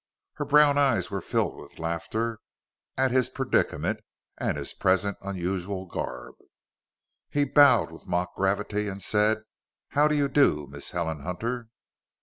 Her brown eyes were filled with laughter at his predicament and his present unusual garb. He bowed with mock gravity and said, "How do you do, Miss Helen Hunter?"